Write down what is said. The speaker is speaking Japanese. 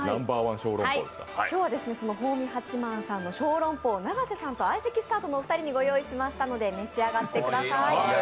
今日はその宝味八萬さんの小籠包を永瀬さんと相席スタートの山添さんにご用意しましたので召し上がってください。